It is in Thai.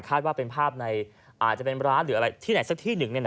ตั๊ดว่าภาพในร้านหรือที่ไหนเนี่ย